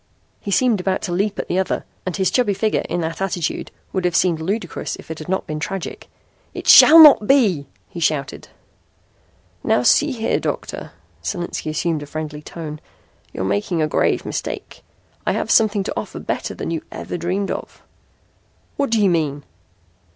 He seemed about to leap at the other, and his chubby figure, in that attitude, would have seemed ludicrous if it had not been tragic. "It shall not be!" he shouted. "Now see here, Doctor" Solinski assumed a friendly tone "you're making a grave mistake. I have something to offer better than you ever dreamed of." "What do you mean?"